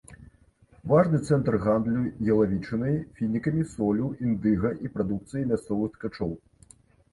Важны цэнтр гандлю ялавічынай, фінікамі, соллю, індыга і прадукцыяй мясцовых ткачоў.